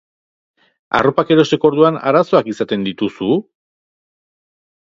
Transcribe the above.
Arropak erosteko orduan arazoak izaten dituzu?